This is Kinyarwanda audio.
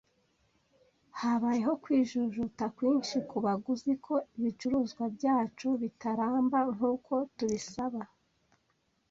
Habayeho kwijujuta kwinshi kubaguzi ko ibicuruzwa byacu bitaramba nkuko tubisaba.